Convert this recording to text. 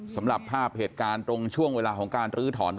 สำหรับภาพเหตุการณ์ตรงช่วงเวลาของการลื้อถอน